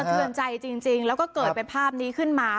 เทือนใจจริงแล้วก็เกิดเป็นภาพนี้ขึ้นมา